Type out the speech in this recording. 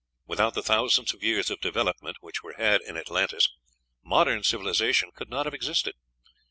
Without the thousands of years of development which were had in Atlantis modern civilization could not have existed.